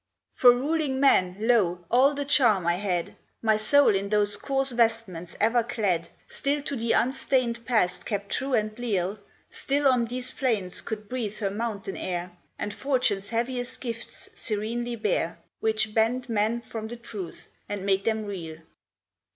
"For ruling men, lo! all the charm I had; My soul, in those coarse vestments ever clad, Still to the unstained past kept true and leal, Still on these plains could breathe her mountain air, And Fortune's heaviest gifts serenely bear, Which bend men from the truth, and make them reel.